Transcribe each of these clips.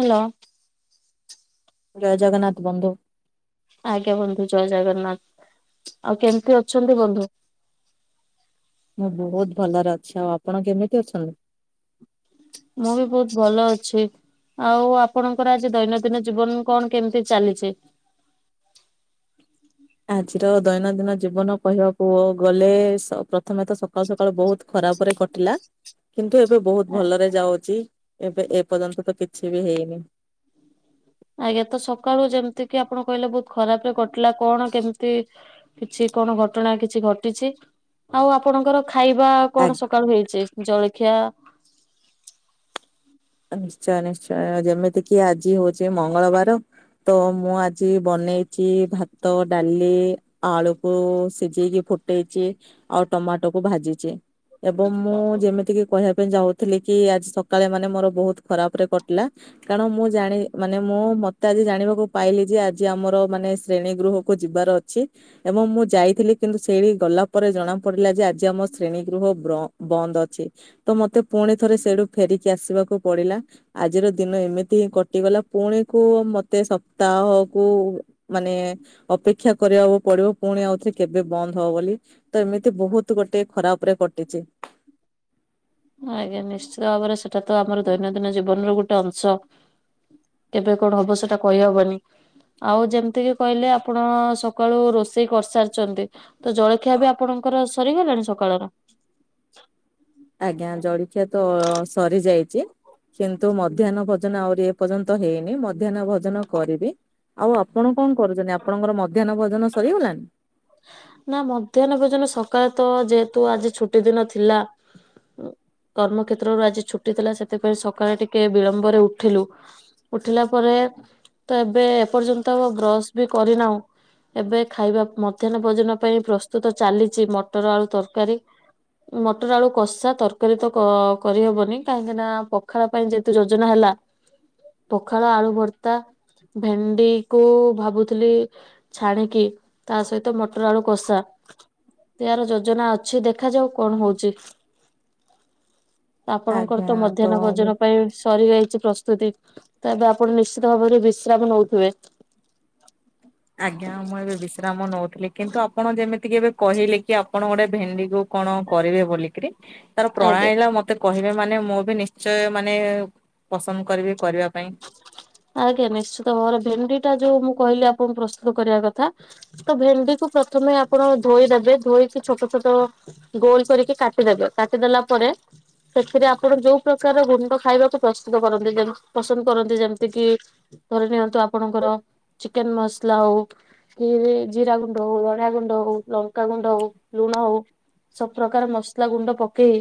Hello ଜୟ ଜଗନ୍ନାଥ ବନ୍ଧୁ। ଆଜ୍ଞା ବନ୍ଧୁ, ଜୟ ଜଗନ୍ନାଥ, ଆଉ କେମିତି ଅଛନ୍ତି ବନ୍ଧୁ? [inaudible] ମୁଁ ବୋହୁତ୍ ଭଲରେ ଅଛି, ଆଉ ଆପଣ କେମିତି ଅଛନ୍ତି? ମୁଁ ବି ବହୁତ୍ ଭଲ ଅଛି। ଆଉ ଆପଣଙ୍କର ଆଜି ଦୈନନ୍ଦିନ ଜୀବନରୁ କଣ କେମିତି ଚାଲିଛି? [inaudible] ଆଜିର ଦୈନନ୍ଦିନ ଜୀବନ କହିବାକୁ ଗଲେ, ସ ପ୍ରଥମେ ତ ସକାଳୁ ସକାଳୁ ବହୁତ ଖରାପ ରେ [unintelligible] କିନ୍ତୁ ଏବେ ବୋହୁତ୍ ଭଲରେ ଯାଉଚି ଏବେ ଏପର୍ଯ୍ୟନ୍ତ ତ କିଛି ବି ହେଇନି। ଆଜ୍ଞା ତ ସକାଳୁ ଯେମତି କିି ଆପଣ କହିଲେ ବୋହୁତ ଖରାପରେ କଟିଲା କଣ କେମିତି କିଛି କଣ ଘଟଣା କିଛି ଘଟିଛି, ହୋଉ ଆପଣଙ୍କର ଖାଇବା ଆଜ୍ଞା। କଣ ସକାଳୁ ହେଇଚି, ଜଳଖିଆ ନିଶ୍ଚୟ ନିଶ୍ଚୟ ଯେମିତି କିି ଆଜି ହୋଉଚି ମଙ୍ଗଳବାର ତ ମୁଁ ଆଜି ବନେଇଚି ଭାତ, ଡାଲି, ଆଳୁକୁ ସିଝେଇକି ଫୁଟେଇଚି ଆଉ ଟମାଟୋକୁ ଭାଜିଚି। ଏବଂ ମୁଁ ଯେମିତିକି କହିବା ପାଇଁ ଯାଉଥିଲି କି ଆଜି ସକାଳେ ମାନେ ମୋର ବୋହୁତ ଖରାପରେ କଟିଲା କାରଣ ମୁଁ ଜାଣି-ମାନେ ମୁଁ ମତେ ଆଜି ଜାଣିବାକୁ ପାଇଲି ଯେ ଆଜି ଆମର୍ ମାନେ ଶ୍ରେଣୀ ଗୃହକୁ ଯିବାର ଅଛି ଏବଂ ମୁଁ ଯାଇଥିଲି କିନ୍ତୁ ଶ୍ରେଣୀକି ଗଲାପରେ ଜଣା ପଡିଲା ଯେ ଆଜି ଆମ ଶ୍ରେଣୀ ଗୃହ ବ୍ର-ବନ୍ଦ ଅଛି, ତ ମତେ ପୁଣି ଥରେ ସେଇଠୁ ଫେରିକି ଆସିବାକୁ ପଡିଲା ଆଜିର ଦିନ ଏମିତି ହିଁ କଟିଗଲା, ପୁଣିକୁ ମତେ ସପ୍ତାହକୁ ମାନେ ଅପେକ୍ଷା କରିବାକୁ ପଡିବ ପୁଣି ଆଉଥରେ କେବେ ବନ୍ଦ ହବ ବୋଲି ତ ଏମିତି ବୋହୁତ ଗୋଟେ ଖରାପ ଉପରେ କଟିଚି। ଆଜ୍ଞା ନିଶ୍ଚିତ ଭାବରେ ସେଟା ତ ଆମର ଦୈନନ୍ଦିନ ଜୀବନର ଗୋଟେ ଅଂଶ। କେବେ କଣ ହବ ସେଟା କହିହବନି। ଆଉ ଯେମତିକି କହିଲେ ଆପଣ ସକାଳୁ ରୋଷେଇ କରିସାରିଚନ୍ତି ତ ଜଳଖିଆ ବି ଆପଣ ଙ୍କର ସରିଗଲାଣି ସକାଳର? ଆଜ୍ଞା ଜଳଖିଆ ତ ସରିଯାଇଚି କିନ୍ତୁ ମଧ୍ୟାହ୍ନ ଭୋଜନ ଆହୁରି ଏପର୍ଯ୍ୟନ୍ତ ହେଇନି ମଧ୍ୟାହ୍ନ ଭୋଜନ କରିବି ଆଉ ଆପଣ କଣ କରୁଚନ୍ତି ଆପଣଙ୍କର ମଧ୍ୟାହନ ଭୋଜନ ସ୍ ସରିଗଲାନ୍ ନା ମଧ୍ୟାହ୍ନ ଭୋଜନ ସକାଳେ ତ ଯେହେତୁ ଆଜି ଛୁଟି ଦିନ ଥିଲା ଓ କର୍ମକ୍ଷେତ୍ରରୁ ଆଜି ଛୁଟି ଥିଲା ସେଥିପାଇଁ ସକାଳେ ଟିକେ ବିଳମ୍ବରେ ଉଠିଲୁ ଉଠିଲା ପରେ ଲା ତ ଏବେ ଏପର୍ଯ୍ୟନ୍ତ ବ୍ରସ୍ ବି କରିନାହୁଁ ଏବେ ଖାଇବା ମତ୍ ମଧ୍ୟାହ୍ନ ଭୋଜନ ପାଇଁ ପ୍ରସ୍ତୁତ ଚାଲିଚି ମଟର ଆଉ ତରକାରୀ। ମଟର ଆଳୁ କଷା ତରକାରୀ ତ କ-କରିହବନି କାହିଁକିନା ପଖାଳ ପାଇଁ ଯେହେତୁ ଯୋଜନା ହେଲ୍ ଆ ପଖାଳ, ଆଳୁ ଭର୍ତ୍ତା। ଭେଣ୍ଡିକୁ ଭାବୁଥୁଲି ଛାଣିକି ତା ସହି ତ ମଟର ଆଳୁ କଷା ଏହାର ଯୋଜନା ଅଛି ଦେଖାଯାଉ କଣ ହୋଉଚି। ଆପଣଙ୍କର ଆଜ୍ଞା ତ ମଧ୍ୟାହ୍ନ ମୁଁ ଭୋଜନ ପାଇଁ ସରିଯାଇ‌ ପ୍ରସ୍ତୁତି ତ ଏବେ ଆପଣ ନିଶ୍ଚିତ ଭାବରେ ବିଶ୍ରାମ ନୋଉଥୁବେ। ଆଜ୍ଞା ମୁଁ ଏବେ ବିଶ୍ରାମ ନୋଉଥିଲି। କିନ୍ତୁ ଆପଣ ଯେମିତି କି ଏବେ କହିଲେ କି ଆପଣ ଗୋଟେ ଭେଣ୍ଡିକୁ କଣ କରିବେ ବୋଲିକିରି ତାର ଆଜ୍ଞା। ପ୍ରଣାଳିରା ମତେ କହିବେ ମାନେ ମୁଁ ବି ନିଶ୍ଚୟ ମାନେ ପସନ୍ଦ କରିବି। କରିବା ପାଇଁ। ଆଜ୍ଞା ନିଶ୍ଚିତ ଭାବରେ ଭେଣ୍ଡିଟା ଯୋଉ ମୁଁ କହିଲି ଆପଣଙ୍କୁ ପ୍ରସ୍ତୁତ କରିବା କଥା ତ ଭେଣ୍ଡିକୁ ପ୍ରଥମେ ଆପଣ ଧୋଇଦେବେ ଧୋଇକି ଛୋଟ ଛୋ ଛୋଟ ଗୋଲ ସରିକି କାଟିଦେବେ କାଟିଦେଲା ପରେ ସେଥିରେ ଆପଣ ଯୋଉ ପ୍ରକାର ଗୁଣ୍ଡ ଖାଇବାକୁ ପ୍ରସନ୍ଦ କରନ୍ତି ଯେମତି ପସନ୍ଦ କରନ୍ତି ଯେମତିକି ଧରିନିଅନ୍ତୁ ଆପଣଙ୍କର ଚିକେନ୍ ମସଲା ହୋଉ କି ଜିରା ଗୁଣ୍ଡ ହୋଉ, ଧଣିଆ ଗୁଣ୍ଡ ହୋଉ, ଲଙ୍କାଗୁଣ୍ଡ ହୋଉ, ଲୁଣ ହୋଉ ସବୁ ପ୍ରକାର ମସଲା ଗୁଣ୍ଡ ପକେଇ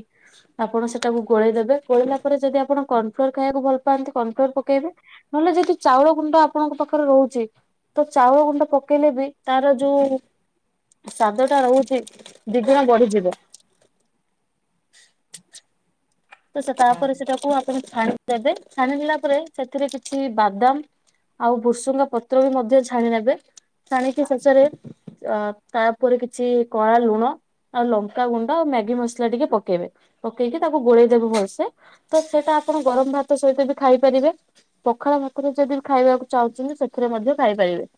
ଆପଣ ସେଟାକୁ ଗୋଳେଇଦେବେ ଗୋଳେଇଲା ପରେ ଯଦି ଆପଣ କ ନଫ୍ଲୋର୍ ଖାଇବାକୁ ଭଲ ପାଆନ୍ତି କନଫ୍ଲୋର୍ ପକେଇବେ ନହେଲେ ଯଦି ଚାଉଳ ଗୁଣ୍ଡ ଆପଣଙ୍କ ପାଖରେ ରହୁଚି ତ ଚାଉଳ ଗୁଣ୍ଡ ପକେଇଲେ ବି ତାର ଯୋଉ ସ୍ଵାଦଟା ରହୁଚି ଦିଗୁଣା ବଢିଯିବ। ତ ସେ ତାପରେ ସେଟାକୁ ଆପଣ ଛାଣିଦେବେ ଛାଣିଦେଲା ପରେ ସେଥିରେ କିଛି ବାଦାମ ଆଉ ଭୁସୁଙ୍ଗା ପତ୍ର ବି ମଧ୍ୟ ଛାଣିନେବେ ଛାଣିକି ଶେଷରେ ଅ-ତାପରେ କିଛି କଳା ଲୁଣ ଆଉ ଲଙ୍କା ଗୁଣ୍ଡ ଆଉ ମ୍ୟାଗି ମସଲା ଟିକେ ପକେଇବେ ପକେଇକି ତାକୁ ଗୋଳେଇ ଦେବୁ ଭଲସେ ତ ସେଇଟା ଆପଣ ଗରମ ଭାତ ସହିତ ବି ଖାଇପାରିବେ। ପଖାଳ ଭାତରେ ଯଦି ବି ଖାଇବାକୁ ଚାହୁଁଛନ୍ତି ସେଥିରେ ମଧ୍ୟ ଖାଇପାରିବେ। [inaudible]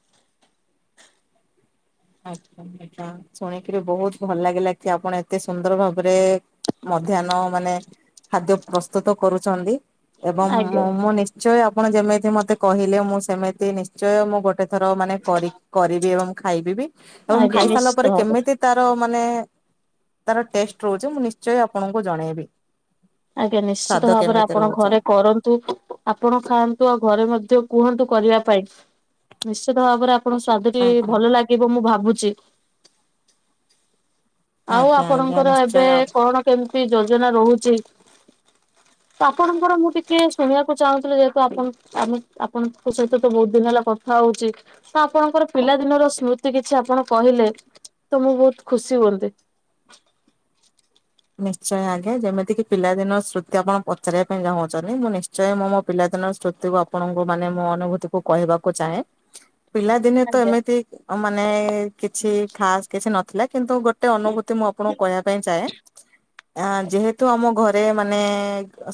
ଆଚ୍ଛା ଶୁଣିକିରି ବହୁତ ଭଲ ଲାଗିଲା କି ଆପଣ ଏତେ ସୁନ୍ଦର ଭାବରେ ମଧ୍ୟାହ୍ନ ମାନେ ଖାଦ୍ୟ ପ୍ରସ୍ତୁତ କରୁଛନ୍ତି। ଏବଂ ଆଜ୍ଞା ମୁଁ ନିଶ୍ଚୟ ଆପଣ ଯେମିତି ମତେ କହିଲେ ମୁଁ ସେମିତି ନିଶ୍ଚୟ ମୁଁ ଗୋଟେ ଥର ମାନେ କରିବି ଏବଂ ଖାଇବ ଏବଂ ଆଜ୍ଞା ଖାଇ ସାରିଲା ନିଶ୍ଚିତ ପରେ ଭାବରେ କେମିତି ତାର ମାନେ ତାର ଟେଷ୍ଟ ରହୁଛି ମୁଁ ନିଶ୍ଚୟ ଆପଣଙ୍କୁ ଜଣେଇବି। ଆଜ୍ଞା ସ୍ଵାଦ ନିଶ୍ଚିତ ଭାବରେ କେମିତି ଆପଣ ରହୁଛି। ଘରେ କରନ୍ତୁ ଆପଣ ଖାଆନ୍ତୁ ଆଉ ଘରେ ମଧ୍ୟ କୁହନ୍ତୁ କରିବା ପାଇଁ। ନିଶ୍ଚିତ ଭାବରେ ଆପଣ ସ୍ଵାଦ ଟି ଆଜ୍ଞା। ଭଲ ଲାଗିବ ମୁଁ ଭାବୁ ଚି ଆଉ ଆଜ୍ଞା ଆଜ୍ଞା ଆପଣଙ୍କର ନିଶ୍ଚୟ ଏବେ କଣ କେମିତି ଯୋଜନା ରହୁଚି? ତ ଆପଣଙ୍କର ମୁଁ ଟିକେ ଶୁଣିବାକୁ ଚାହୁଁଥିଲି ଯେହେତୁ ଆପଣ ଆମେ ଆପଣଙ୍କ ସହିତ ତ ବହୁତ ଦିନ ହେଲା କଥା ହଉଛି ନା ଆପଣଙ୍କର ପିଲାଦିନର ସ୍ମୃତି କିଛି ଆପଣ କହିଲେ ତ ମୁଁ ବହୁତ ଖୁସି ହୁଅନ୍ତି। ନିଶ୍ଚୟ ଆଜ୍ଞା ଯେମିତିକି ପିଲାଦିନ ସ୍ମୃତି ଆପଣ ପଚାରିବା ପାଇଁ ଚାହୁଁଛନ୍ତି ମୁଁ ନିଶ୍ଚୟ ମୁଁ ମୋ ପିଲାଦିନ ସ୍ମୁତିକୁ ଆପଣଙ୍କୁ ମାନେ ମୁଁ ଅନୁଭୂତି କୁ କହିବାକୁ ଚାହେଁ। ପିଲାଦିନେ ତ ଆଜ୍ଞା ଏମିତି ମାନେ କିଛି ଖାସ୍ କିଛି ନଥିଲା। କିନ୍ତୁ ଗୋଟେ ଅନୁଭୂତି ମୁଁ ଆପଣଙ୍କୁ କହିବା ପାଇଁ ଚାହେଁ। ଆ ଯେହେତୁ ଆମ ଘରେ ମାନେ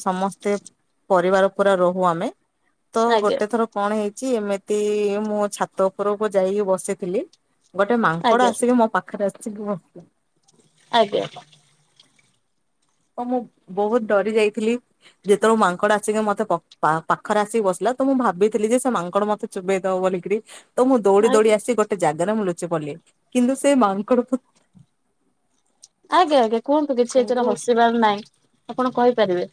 ସମସ୍ତେ ପରିବାର ପୁରା ରହୁ ଆମେ ତ ଆଜ୍ଞା ଗୋଟେ ଥର କଣ ହେଇ ଚି ଏମିତି ମୁଁ ଛାତ ଉପରକୁ ଯାଇକି ବସିଥିଲି। ଗୋଟେ ମାଙ୍କଡ ଆଜ୍ଞା ଆସିକି ମୋ ପାଖରେ ଆସିକି ବ ଆଜ୍ଞା। ମୁଁ ବହୁତ ଡରି ଯାଇଥିଲି ଯେତେବେଳେ ମାଙ୍କଡ ଆସିକି ମତେ ପ ପାଖରେ ଆସିକି ବସିଲା। ତ ମୁଁ ଭାବିଥିଲି ଯେ ସେ ମାଙ୍କଡ ମତେ ଚୋବେଇଦବ ବୋଲିକରି। ତ ମୁଁ ଦୌଡି ଦୌଡି ଆସି ଗୋଟେ ଜାଗାରେ ମୁଁ ଲୁ ବୋଲି। କିନ୍ତୁ ସେ ମାଙ୍କଡ ତ ଆଜ୍ଞା ଆଜ୍ଞା କୁହନ୍ତୁ କିଛି ଏଥିରେ ହସିବାର ନାଇଁ। ଆପଣ କହିପାରିବେ।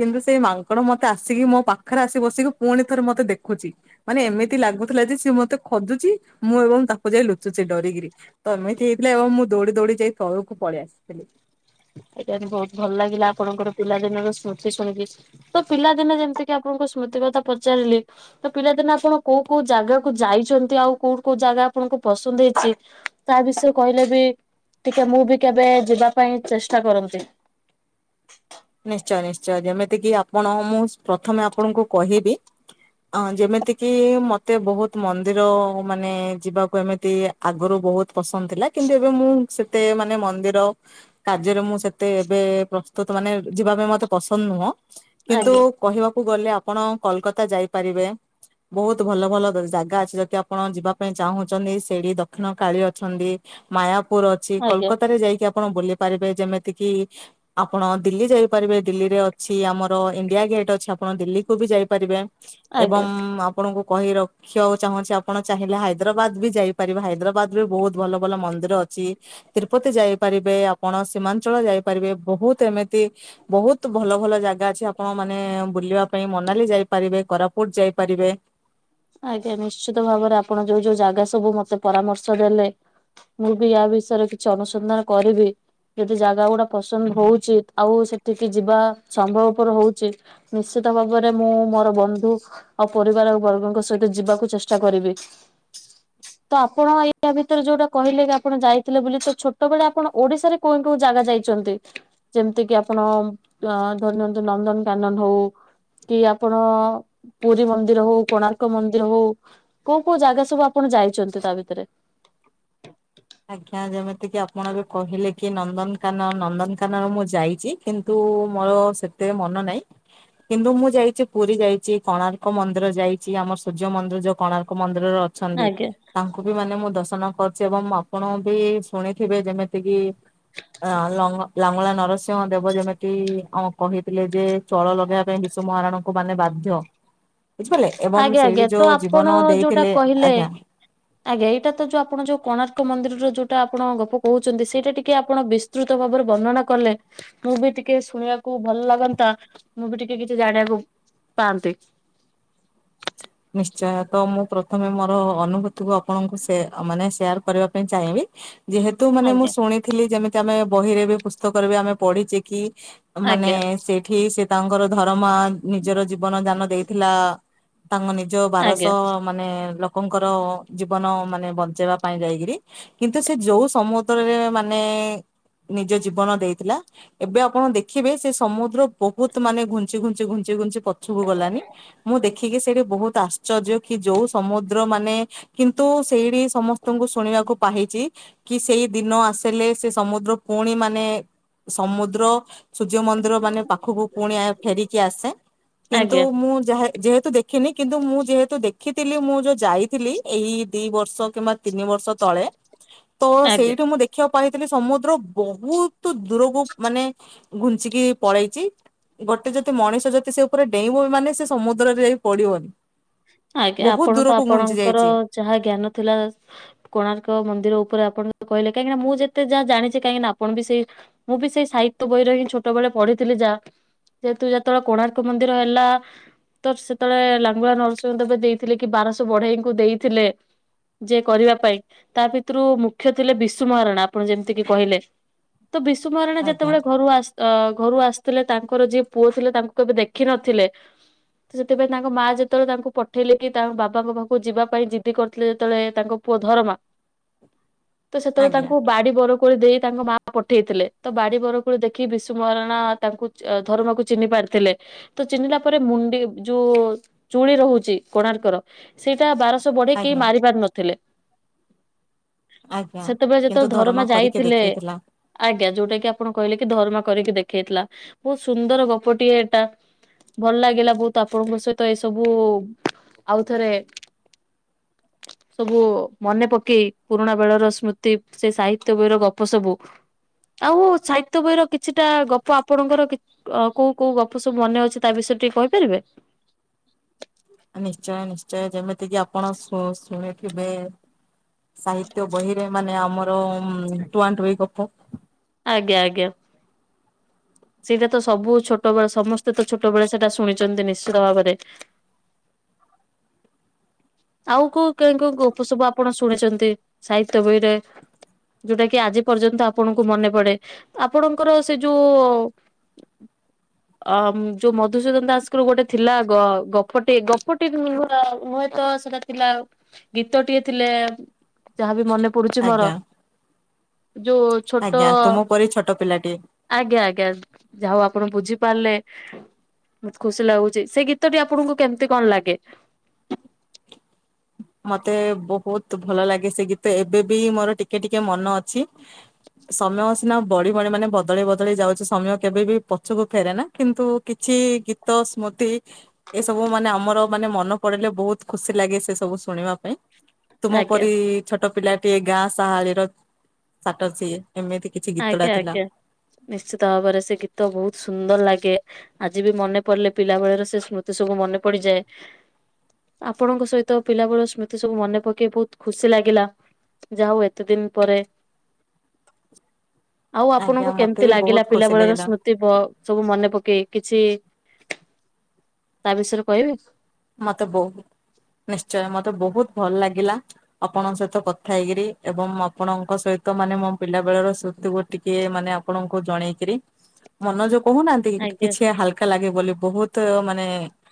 କିନ୍ତୁ ସେଇ ମାଙ୍କଡ ମତେ ଆସିକି ମୋ ପାଖରେ ଆସି ବସିକି ପୁଣି ଥରେ ମତେ ଦେଖୁଛି। ମାନେ ଏମିତି ଲା ଲାଗୁଥିଲା ଯେ ମତେ ଖୋଜୁଛି ମୁଁ ଏବଂ ତାକୁ ଯାଇ ଲୁଚୁଛି ଡରିକିରି। ତ ଏମିତି ହେଇଥିଲା ଏବଂ ମୁଁ ଦୌଡ଼ି କିରି ଦୌଡି ଯାଇ ତଳକୁ ପଳେଇ ଆସିଥିଲି। [inaudible] ଏଇଟା ବହୁତ ଭଲ ଲାଗିଲା ଆପଣଙ୍କର ପିଲା ଦିନର ସ୍ମୃତି ଶୁଣିକି। ତ ପିଲାଦିନ ଯେମିତି କିି ଆପଣଙ୍କ ସ୍ମୁ କଥା ପଚାରିଲି ତ ପିଲାଦିନେ ଆପଣ କୋଉ କୋଉ ଜାଗାକୁ ଯାଇଛନ୍ତି ଆଉ କୋଉ କୋଉ ଜାଗା ଆପଣଙ୍କୁ ପସନ୍ଦ ହେଇଛି ତା ବିଷୟରେ କହିଲେ ବି ଟିକେ ମୁଁ ବି କେବେ ଯିବା ପାଇଁ ଚେଷ ଷ୍ଟା କରନ୍ତି। ନିଶ୍ଚୟ ନିଶ୍ଚୟ ଯେମିତିକି ଆପଣ ମୁଁ ପ୍ରଥମେ ଆପଣଙ୍କୁ କହିବି। ଅ ଯେମିତି କିି ମତେ ବହୁତ ମନ୍ଦିର ମାନେ ଯିବାକୁ ଏମିତି ଆଗରୁ ବହୁତ ପସନ୍ଦ ଥିଲା କିନ୍ତୁ ଏବେ ମୁଁ ସେତେ ମାନେ ମନ୍ଦିର କାର୍ଯ୍ୟରେ ମୁଁ ସେତେ ଏବେ ପ୍ରସ୍ତୁତ ମାନେ ଯିବା ପାଇଁ ମତେ ପସନ୍ଦ ନୁହଁ। କିନ୍ତୁ ଆଜ୍ଞା କହିବାକୁ କୁଗଲେ ଆପଣ କୋଲକାତା ଯାଇପାରିବେ। ବହୁତ ଭଲ ଭଲ ଜାଗା ଅଛି। ଯଦି ଆପଣ ଯିବା ପାଇଁ ଚାହୁଁଛନ୍ତି ସେଇଠି ଦକ୍ଷିଣ କାଳି ଅଛନ୍ତି। ମାୟାପୁର ଅଛି। ଆଜ୍ଞା। କୋଲକତାରେ ଯାଇକି ଆପଣ ବୁଲି ପାରିବେ ଯେମିତି କିି ଆପଣ ଦିଲ୍ଲୀ ଯାଇପାରିବେ। ଦିଲ୍ଲୀରେ ଅଛି ଆମର ଇଣ୍ଡିଆ ଗେଟ୍ ଅଛି। ଆପଣ ଦିଲ୍ଲୀକୁୁ ବି ଯାଇପାରିବେ। ଏବଂ ଆଜ୍ଞା ଆପଣଙ୍କୁ କହି ରଖିବାକୁ ଚାହୁଁଛି ଆପଣ ଚାହିଁଲେ ହାଇଦ୍ରାବାଦ ବି ଯାଇପାରିବେ। ହାଇଦ୍ରାବାଦ ବି ବହୁତ ଭଲ ଭଲ ମନ୍ଦିର ଅ ଛି, ତିରୁପତି ଯାଇପାରିବେ ଆପଣ ସୀମାଞ୍ଚଳ ଯାଇପାରିବେ ବହୁତ ଏମ ତି ବହୁତ ଭଲ ଭଲ ଜାଗା ଅଛି ଆପଣ ମାନେ ବୁଲିବା ପାଇଁ ମନାଲି ଯାଇପାରିବେ। କୋରାପୁଟ ଯାଇପାରିବେ। ଆଜ୍ଞା ନିଶ୍ଚିତ ଭାବରେ ଆପଣ ଯୋଉ ଯୋଉ ଜାଗା ସବୁ ମତେ ପରାମର୍ଶ ଦେଲେ। ମୁଁ ବି ୟା ବିଷୟରେ କିଛି ଅନୁସନ୍ଧାନ କରିବି। ଯଦି ଜାଗାଗୁଡା ପସନ୍ଦ ହଉଚି ଆଉ ସେଠିକି ଯିବା ସମ୍ଭବପର ହଉଛି ନିଶ୍ଚି ତ ଭାବରେ ମୁଁ ମୋର ବନ୍ଧୁ ଆଉ ପରିବାର ବର୍ଗଙ୍କ ସ ସହିତ ଯିବାକୁ ଚେଷ୍ଟା କରିବି। ତ ଆପଣ ୟା ଭିତରେ ଯୋଉଟା କହିଲେ କି ଆପଣ ଯାଇଥିଲେ ବୋଲି ତ ଛୋଟବେେଳେ ଆପଣ ଓଡିଶାରେ କୋଉ କୋଉ ଜାଗା ଯାଇଛନ୍ତି ଯେମିତି କିି ଆପଣ ଅ ଧରି ନିଅନ୍ତୁ ନନ୍ଦନକାନନ ହଉ। କି ଆପଣଅ-ଅ-ଅ ପୁରୀ ମନ୍ଦିର ହଉ କୋଣା ର୍କ ମନ୍ଦିର ହଉ କୋଉ କୋଉ ଜାଗା ସବୁ ଆପଣ ଯାଇଛନ୍ତି ତା ଭିତରେ ଆଜ୍ଞା ଯେମିତି କି ଆପଣ ବି କହିଲେ କି ନନ୍ଦନକାନ ନନ୍ଦନକାନ ମୁଁ ଯାଇଛି କିନ୍ତୁ ମୋର ସେତେ ମନ ନାହିଁ। କିନ୍ତୁ ମୁଁ ଯାଇଛି ପୁରୀ ଯାଇଛି କୋଣାର୍କ ମନ୍ଦିର ଯାଇଛି ଆମର ସୂର୍ଯ୍ୟ ମନ୍ଦିର ଯୋଉ କୋଣାର୍କ ମନ୍ଦ୍ ମନ୍ଦିରରେ ଅଛନ୍ତି ଆଜ୍ଞା ତାଙ୍କୁ ବି ମାନେ ମୁଁ ଦର୍ଶନ କରୁଛି ଏବଂ ମୋ ଆପଣ ବି ଶୁଣିଥିବେ ଯେମିତି କିି ଅ ଲଙ୍ଗ ଲାଙ୍ଗୁଳା ନରସିଂହ ଦେବ ଯେମିତି ଆମକୁ କହିଥିଲେ ଯେ ଚଳ ଲଗେଇବା ପାଇଁ ବିଶୁ ମହାରାଣଙ୍କୁ ମାନେ ବାଧ୍ୟ ବୁଝିପାରିଲେ ଏବଂ ଆଜ୍ଞା ସେଇଠି ଆଜ୍ଞା ତ ଯୋଉ ଆପଣ ଜୀବନ ଯୋଉଟା ଦେଇଥିଲେ, କହିଲେ ଆଜ୍ଞା। ଆଜ୍ଞା ଏଇଟା ତ ଯୋଉ ଆପଣ ଯୋଉ କୋଣାର୍କ ମନ୍ଦିରର ଯୋଉ [inaudible] ଟା ଆପଣ ଗପ କହୁଛନ୍ତି ସେଇଟା ଟିକେ ଆପଣ ବିସ୍ତୃତ ଭାବରେ ବର୍ଣ୍ଣନା କଲେ ମୁଁ ବି ଟିକେ ଶୁଣିବାକୁ [inaudible] ଭଲ ଲାଗନ୍ତା ମୁଁ ବି ଟିକେ କିଛି ଜାଣିବାକୁ ପାଆନ୍ତି। ନିଶ୍ଚୟ ତ ମୁଁ ପ୍ର ପ୍ରଥମେ ମୋର ଅନୁଭୂତିକୁ ଆପଣଙ୍କୁ ସେ ମାନେ ଶେୟାର କରିବା ପାଇଁ ଚାହିଁବି। ଯେହେତୁ ମାନେ ମୁଁ ଆଜ୍ଞା ଶୁଣିଥିଲି ଯେମିତି ଆମେ ବହିରେ ବି ପୁସ୍ତକରେ ବି ଆମେ ପଢିଛେ କି ମାନେ ଆଜ୍ଞା ସେଠି ସେ ତାଙ୍କର ଧରମା ନିଜର ଜୀବନ ଦାନ ଦେଇଥିଲା ତାଙ୍କ ନିଜ ଆଜ୍ଞା ବାରଶହ ମାନେ ଲ ଲୋକଙ୍କର ଜୀବନ ମାନେ ବଞ୍ଚେଇବା ପାଇଁ ଯାଇକିରି କିନ୍ତୁ ସେ ଯୋଉ ସମୁଦ୍ରରେ ମାନେ [inaudible] ନିଜ ଜୀବନ ଦେଇଥିଲା ଏବେ ଆପଣ ଦେଖିବେ ସେ ସମୁଦ୍ର ବହୁତ ମାନେ ଘୁଞ୍ଚି ଘୁଞ୍ଚି ଘୁଞ୍ଚି ଘୁଞ୍ଚି ପଛକୁ ଗଲାନି ମୁଁ ଦେଖି [inaudible] ସେଇଠି ବହୁତ ଆଶ୍ଚର୍ଯ୍ୟ କି ଯୋଉ ସମୁଦ୍ର ମାନେ କିନ୍ତୁ ସେଇଠି ସମସ୍ତଙ୍କୁ ଶୁଣିବାକୁ କୃପା ହେଇଛି କି ସେଇ ଦିନ ଆସିଲେ ସେ ସମୁଦ୍ର ପୁଣି ମାନେ ସମୁଦ୍ର। ସୂର୍ଯ୍ୟ ମନ୍ଦିର ମାନେ ପାଖକୁ ପୁଣି ଫେରିକି ଆସେ କିନ୍ତୁ ଆଜ୍ଞା ମୁଁ ଯାହା ଯେତ୍ [inaudible] ଦେଖିନି କିନ୍ତୁ ମୁଁ ଯେହେତୁ ଦେଖିଥିଲି ମୁଁ ଯୋଉ ଯାଇଥିଲି ଏଇ ଦି ବର୍ଷ କିମ୍ବା ତିନି ବର୍ଷ ତଳେ ତ ଆଜ୍ଞା ସେଇଠୁ ମୁଁ ଦେଖିବାକୁ ପାଇ ଏଇନେ ସମୁଦ୍ର ବହୁତ ଦୂରକୁ ମାନେ ଘୁଞ୍ଚିକି ପଳେଇଚି। ଗୋଟେ ଯଦି ମଣିଷ ଯଦି ସେ ଉପରେ ଡେଇଁବ ବି ମାନେ ସେ ସମୁଦ୍ରରେ ଯାଇ ପଡିବନି। ଆଜ୍ଞା ବହୁତ ଆପଣ ତ ଦୂରକୁ ଘୁଞ୍ଚି ଆପଣଙ୍କର ଯାଇଛି ଯାହା ଜ୍ଞାନ ଥିଲା କୋଣାର୍କ ମନ୍ଦିର ଉ ପୁରା ଆପଣ ଯୋଉ କହିଲେ କାହିଁକିନା ମୁଁ ଯେତେ ଯାହା ଜାଣିଛି କାହିଁକିନା ଆପଣ ବି ସେଇ ମୁଁ ବି ସେଇ ସାହିତ୍ୟ ବହିରେ ହିଁ ଛୋଟବେଳେ ପଢିଥିଲି ଯାହା ଯେହେତୁ ଯେତେବେଳେ କୋଣାର୍କ ମନ୍ଦିର ହେଲା ତ ସେତେବେଳେ ଲାଙ୍ଗୁଳା ନରସ୍ [inaudible] ଦେଇଥିଲେ କି ବାରଶହ ବଢେଇଙ୍କୁ ଦେଇଥିଲେ। ଯେ କରିବା ପାଇଁ ତା ଭିତରୁ ମୁଖ୍ୟ ଥିଲେ ବିଶୁ ମହାରଣା ଆପଣ ଯେମିତିକି କହିଲେ ତ ବିଶୁ ମହାରଣା ଆଜ୍ଞା ଯେତେବେଳେ ଘରୁ ଆସ୍ ଅ ଘରୁ ଆସିଥିଲେ ତାଙ୍କର ଯିଏ ପୁଅ ଥିଲେ ତାଙ୍କୁ କେବେ ଦେଖିନଥିଲେ। ତ ସେଥିପାଇଁ ତାଙ୍କ ମା ଯେତେବେଳେ ତାଙ୍କୁ ପଠେଇଲେ କି ତାଙ୍କ ବାବାଙ୍କ ପାଖକୁ ଯିବା ପାଇଁ ଜିଦ୍ଦି କରିଥିଲେ ଯେତେବେଳେ ତାଙ୍କ ପୁଅ ଧରମା ତ ସେତେବେଳେ ଆଜ୍ଞା ତାଙ୍କୁ ବାଡି ବର କୋଳି ଦେଇ ତାଙ୍କ ମାଆ ପଠେଇଥିଲେ, ତ ବାଡି ବରକୋଳି ଦେଖି ବିଶୁ ମହାରଣା ତାଙ୍କୁ ଚ ଧରମାକୁ ଚିହ୍ନିପାରି ଥିଲେ ତ ଚିହ୍ନିଲା ପରେ ମୁଣ୍ଡି ଯୋଉ ଚୁଳି ରହୁ ଛି କୋଣାର୍କର ସେଇଟା ବାରଶହ ବଢେଇ କେହି ଆଜ୍ଞା ମାରି ପାରି ନଥିଲେ। ଆଜ୍ଞା ସେତେବେଳେ କିନ୍ତୁ ଯେତେବେଳେ ଧରମା କରିକି ଯାଇଥିଲେ ଦେଖେଇଥିଲା ଆଜ୍ଞା। ଯୋଉଟା କି ଆପଣ କହିଲେ କି ଧରମା କରିକି ଦେଖେଇଥିଲା। ବହୁତ ସୁନ୍ଦର ଗପଟିଏ ଏଇଟା ଭଲ ଲାଗିଲା ବହୁତ ଆପଣଙ୍କ ସହିତ ଏ ସବୁ ଆଉ ଥରେ [inaudible] ସବୁ ମନେ ପକେଇ, ପୁରୁଣା ବେଳର ସ୍ମୃତି, ସେ ସାହିତ୍ୟ ବହିର ଗପ ସବୁ ଆଉ ସାହିତ୍ୟ ବହିର କିଛିଟା ଗପ ଆପଣଙ୍କର କିତ୍ କୋଉ କୋଉ ଗପ ସବୁ ମନେ ଅଛି ତା ବିଷୟରେ ଟିକେ କହିପାରିବେ? ନିଶ୍ଚୟ ନିଶ୍ଚୟ। ଯେମିତି କିି ଆପଣ ଶୁଣ ଶୁଣି କେବେ ସାହିତ୍ୟ ବହିରେ ମାନେ ଆମର ଟୁଆଁଟୁଇଁ ଗପ ଆଜ୍ଞା ଆଜ୍ଞା। ସେଇଟା ତ ସବୁ ଛୋଟବେଳେ ସମସ୍ତେ ତ ଛୋଟବେଳେ ସେଟା ଶୁଣିଚନ୍ତି, ନିଶ୍ଚିତ ଭାବରେ। ଆଉ କୋଉ କେଉଁ କେଉଁ ଗପ ସବୁ ଆପଣ ଶୁଣିଛନ୍ତି ସାହିତ୍ୟ ବହିରେ? ଯୋଉଟା କି ଆଜି ପର୍ଯ୍ୟନ୍ତ ଆପଣଙ୍କୁ ମନେ ପଡେ। ଆପଣଙ୍କର ସେ ଯୋଉ ଅ ଯୋଉ ମଧୁସୂଦନ ଦାସଙ୍କର ଗୋଟେ ଥିଲା ଗ-ଗପଟେ ଗପଟେ [unintelligible] ନୁହେଁତ ଗୀତଟା ଥିଲା, ଗୀତଟିଏ ଥିଲେ, ଯାହାବି ମନେ ପଡୁଛି ଆଜ୍ଞା ମୋର ଯୋଉ ଛୋଟ ଆଜ୍ଞା ତୁମ ପରି ଛୋଟ ପିଲାଟିଏ ଆଜ୍ଞା ଆଜ୍ଞା। ଯାହା ହଉ ଆପଣ ବୁଝି ପାରିଲେ ବହୁତ ଖୁସି ଲାଗୁଛି। ସେ ଗୀତଟି ଆପଣଙ୍କୁ କେମତି କଣ ଲାଗେ? ମତେ ବହୁତ ଭଲ ଲାଗେ ସେ ଗୀତ। ଏବେ ବି ମୋର ଟିକେ ଟିକେ ମନ ଅଛି ସମୟ ସିନା ବଢି ବଢି ମାନେ ବଦଳି ବଦଳି ଯାଉଛି ସମୟ କେବେ ବି ପଛକୁ ଫେରେନା, କିନ୍ତୁ କିଛି ଗୀତ ସ୍ମୃତି ହି, ଏସବୁ ମାନେ ଆମର ମାନେ ମନେ ପଡିଲେ ବହୁତ ଖୁସି ଲାଗେ ସେ ସବୁ ଶୁଣିବା ପାଇଁ। ତୁମ ଆଜ୍ଞା ପରି ଛୋଟ ଛୋଟ ପିଲାଟିଏ ଗାଁ ସାହାଳିର ସାଟ ସିଏ। ଏମିତି କିଛି ଗୀତଟା ଆଜ୍ଞା ଥିଲା ଆଜ୍ଞା। ନିଶ୍ଚିତ ଭାବରେ ସେ ଗୀତ ବହୁତ ସୁନ୍ଦର ଲାଗେ। ଆଜି ବି ମନେ ପଡିଲେ ପିଲାବେଳର ସେ ସ୍ମୃତି ସବୁ ମନେ ପଡିଯାଏ ଆପଣଙ୍କ ସହିତ ପିଲାବେଳର ସ୍ମୃତି ସବୁ ମନେ ପକେଇ ବହୁତ ଖୁସି ଲାଗିଲା। ଯାହାହଉ ଏତେ ଦିନ ପରେ ଆଉ ଆଜ୍ଞା ଆପଣଙ୍କୁ ମତେ କେମତି ବି ଲାଗିଲା ବହୁତ ପିଲା ଖୁସି ବେଳର ଲାଗିଲା। ସ୍ମୃତି ବ ସବୁ ମନେ ପକେଇ କିଛି ତା ବିଷୟରେ କହିବେ? ମତେ ବହୁ ନିଶ୍ଚୟ ମତେ ବହୁତ ଭଲ ଲାଗିଲା। ଆପଣଙ୍କ ସହିତ କଥା ହେଇକିରି ଏବଂ ଆପଣଙ୍କ ସହିତ ମାନେ ମୋ ପିଲା ବେଳର ସ୍ମୃ ତିକୁ ଟିକେ ମାନେ ଆପଣଙ୍କୁ ଜଣେଇକିରି, ମନ ଯୋଉ କହୁନାହାଁନ୍ତି ଆଜ୍ଞା। କିଛି ହାଲକା ଲାଗେ ବୋଲି ବହୁତ ମାନେ